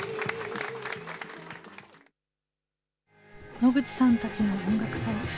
野口さんたちの音楽祭。